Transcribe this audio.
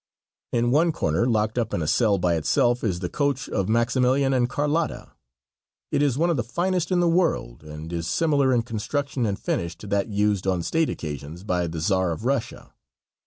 In one corner locked up in a cell by itself is the coach of Maximilian and Carlotta. It is one of the finest in the world, and is similar in construction and finish to that used on State occasions by the Czar of Russia.